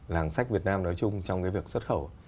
làng sách việt nam nói chung trong cái việc xuất khẩu